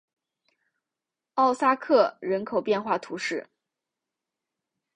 奥萨克人口变化图示